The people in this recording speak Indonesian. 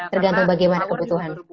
tergantung bagaimana kebutuhan